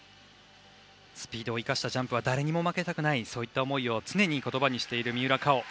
スピードを生かしたジャンプは誰にも負けたくないそういった思いを常に言葉にしている三浦佳生。